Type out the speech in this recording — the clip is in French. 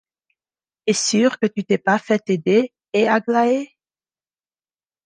es sûre que tu t’es pas fait aider, hé, Aglaé ?